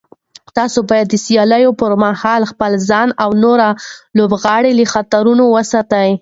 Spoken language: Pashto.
تاسو باید د سیالیو پر مهال خپل ځان او نور لوبغاړي له خطرونو وساتئ.